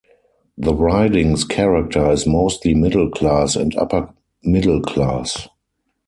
The riding's character is mostly middle-class and upper middle-class.